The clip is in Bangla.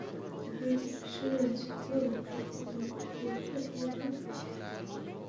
সেখানে পুলিশসহ আইনশৃঙ্খলা রক্ষাকারী বাহিনীর সদস্যরা অভিবাসীদের জিজ্ঞাসাবাদসহ আইনি কার্যক্রম চালাচ্ছেন।